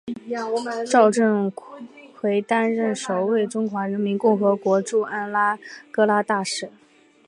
赵振魁担任首位中华人民共和国驻安哥拉大使。